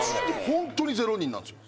ホントに０人なんですよ。